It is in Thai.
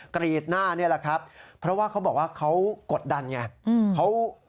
กรีดหน้านี่แหละครับเพราะว่าเขาบอกว่าเขากดดันไง